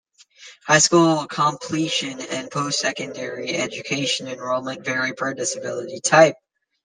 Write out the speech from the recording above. High school completion and postsecondary education enrollment vary per disability type.